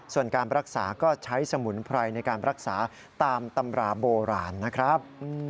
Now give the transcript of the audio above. ส่วนการรักษาก็ใช้สมุนไพรในการรักษาตามตำราโบราณนะครับ